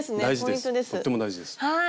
とっても大事です。